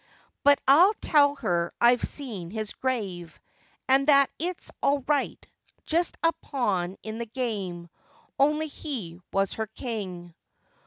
But I'll tell her I've seen his grave, and that it's all right. Just a pawn in the game. Only he was her king.